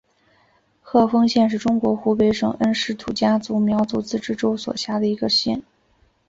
鹤峰县是中国湖北省恩施土家族苗族自治州所辖的一个县。